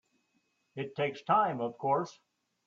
It takes time of course.